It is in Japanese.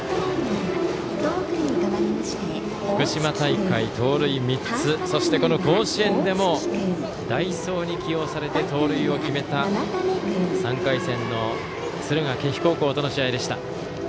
福島大会、盗塁３つそして、この甲子園でも代走に起用されて盗塁を決めた３回戦の敦賀気比高校との試合でした。